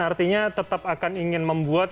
artinya tetap akan ingin membuat